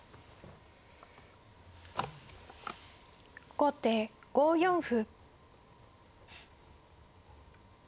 後手５四歩。